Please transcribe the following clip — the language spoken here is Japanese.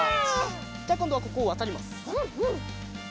じゃあこんどはここをわたります。